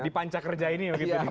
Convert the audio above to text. di panca kerja ini